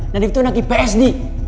nadif tuh anak ipsd